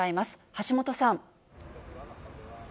橋本さん。